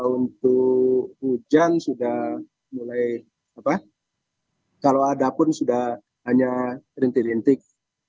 untuk hujan sudah mulai apa kalau ada pun sudah hanya rintik rintik